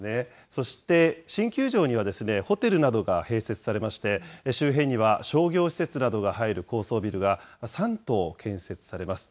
そして新球場には、ホテルなどが併設されまして、周辺には商業施設などが入る高層ビルが３棟建設されます。